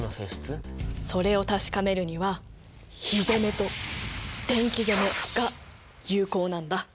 それを確かめるには火攻めと電気攻めが有効なんだ。